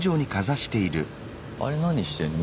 あれ何してんの？